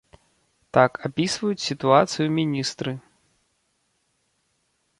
Так апісваюць сітуацыю міністры.